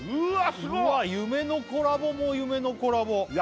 ヤバイ夢のコラボも夢のコラボ